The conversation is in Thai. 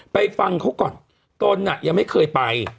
ไปฟังเขาก่อนตอนนี้ยังไม่เคยไป